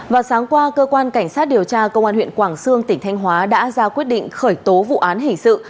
vào sáng qua cơ quan cảnh sát điều tra công an huyện quảng sương tỉnh thanh hóa đã ra quyết định khởi tố vụ án hình sự